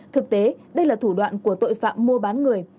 thực tế đây là thủ đoạn của tội phạm mua bán người